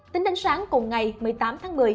tính đến sáng cùng ngày một mươi tám tháng một mươi